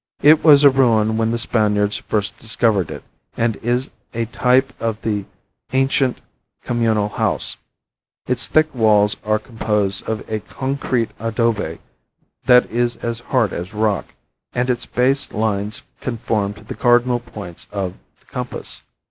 It was a ruin when the Spaniards first discovered it, and is a type of the ancient communal house. Its thick walls are composed of a concrete adobe that is as hard as rock, and its base lines conform to the cardinal points of, the compass.